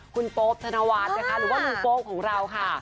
คุณโป๊ปธนวัฒน์นะคะหรือว่าลุงโป๊ปของเราค่ะ